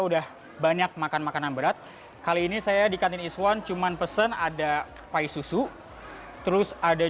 udah banyak makan makanan berat kali ini saya di kantin iswan cuman pesen ada pai susu terus ada